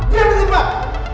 diam di tempat